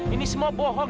ini semua bohong